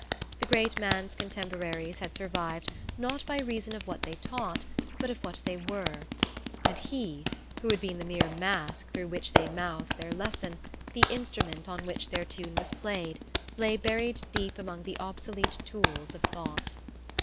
The great man's contemporaries had survived not by reason of what they taught, but of what they were; and he, who had been the mere mask through which they mouthed their lesson, the instrument on which their tune was played, lay buried deep among the obsolete tools of thought.